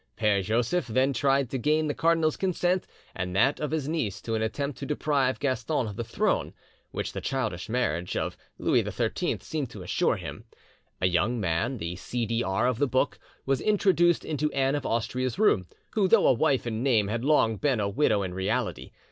Pere Joseph then tried to gain the cardinal's consent and that of his niece to an attempt to deprive Gaston of the throne, which the childless marriage of Louis XIII seemed to assure him. A young man, the C. D. R. of the book, was introduced into Anne of Austria's room, who though a wife in name had long been a widow in reality.